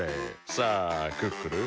さあクックルン。